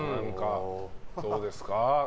どうですか？